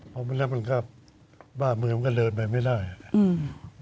พอมันแล้วมันก็บ้ามือมันก็เดินไปไม่ได้อืม